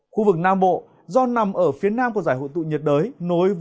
khu vực nam bộ do nằm ở phía nam của giải hội tụ nhiệt đới nối